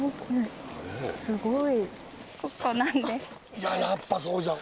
いややっぱそうじゃん。